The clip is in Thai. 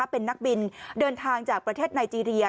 เป็นนักบินเดินทางจากประเทศไนเจรีย